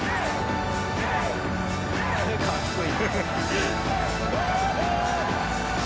かっこいい！